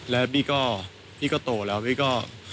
แล้วบี้ก็พี่ก็โตแล้วบี้ก็